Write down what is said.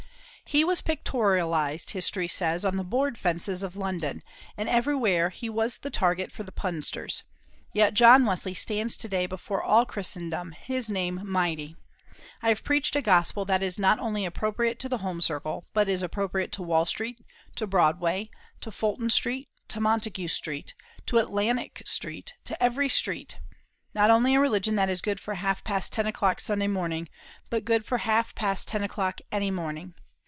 He was pictorialised, history says, on the board fences of London, and everywhere he was the target for the punsters; yet John Wesley stands to day before all Christendom, his name mighty. I have preached a Gospel that is not only appropriate to the home circle, but is appropriate to Wall Street, to Broadway, to Fulton Street, to Montague Street, to Atlantic Street, to every street not only a religion that is good for half past ten o'clock Sunday morning, but good for half past ten o'clock any morning.